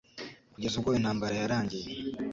kugeza ubwo intambara yarangiye